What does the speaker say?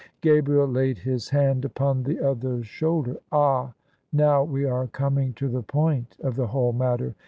" Gabriel laid his hand upon the other's shoulder. "Ah! now we are coming to the point of the whole matter.